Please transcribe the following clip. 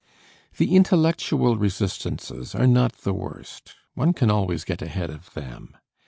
The intellectual resistances are not the worst, one can always get ahead of them.